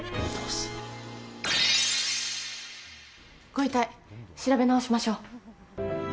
ご遺体、調べ直しましょう。